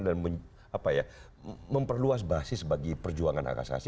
dan memperluas basis bagi perjuangan hak asasi